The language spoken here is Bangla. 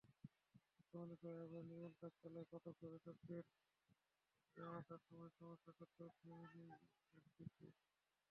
বর্তমানে ফ্লাইওভারের নির্মাণকাজ চলায় পাঠক-গবেষকদের আসা-যাওয়ার সাময়িক সমস্যা সত্ত্বেও থেমে নেই এনকেসি।